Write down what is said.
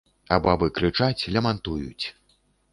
А бабы крычаць, лямантуюць.